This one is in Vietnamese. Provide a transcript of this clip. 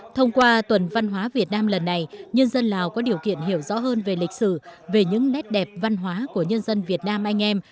thông qua tuần văn hóa việt nam lần này nhân dân lào có điều kiện hiểu rõ hơn về lịch sử về những nét đẹp văn hóa của nhân dân việt nam anh em